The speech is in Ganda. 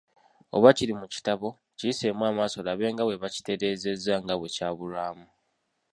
Oba kiri mu kitabo, kiyiseemu amaaso, olabe nga bwe bakitereezezza nga bwe kyawulwamu.